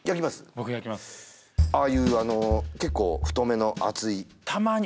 僕焼きますああいうあの結構太めの厚いたまーに